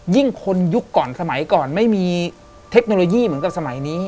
ยิ่งคนยุคก่อนสมัยก่อนไม่มีเทคโนโลยีเหมือนกับสมัยนี้